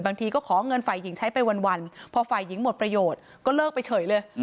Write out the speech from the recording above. บางทีก็ขอเงินฝ่ายหญิงใช้ไปวันพอฝ่ายหญิงหมดประโยชน์ก็เลิกไปเฉยเลย